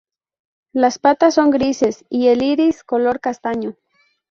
Las patas son grises y el iris color castaño.